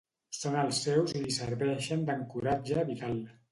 Són els seus i li serveixen d'ancoratge vital.